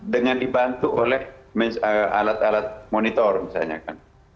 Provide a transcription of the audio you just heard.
dengan dibantu oleh alat alat monitor misalnya kan